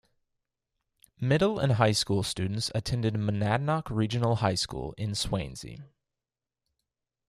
Middle and high school students attended Monadnock Regional High School in Swanzey.